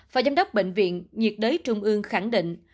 phó giám đốc bệnh viện nhiệt đới trung ương khẳng định